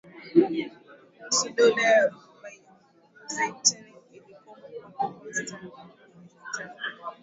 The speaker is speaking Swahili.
nusu Dola ya Byzantine ilikoma kuwapo Constantinople Istanbul